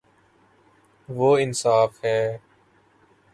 وہ انصا ف ہے